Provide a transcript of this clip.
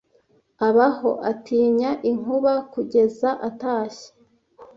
abaho atinya inkuba kugeza atashye